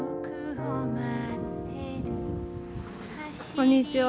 こんにちは。